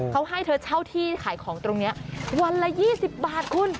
เขาให้เธอเช่าที่ขายของตรงนี้วันละ๒๐บาทคุณ